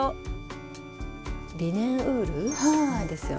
リネンウールなんですよね。